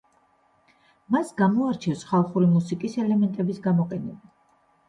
მას გამოარჩევს ხალხური მუსიკის ელემენტების გამოყენება.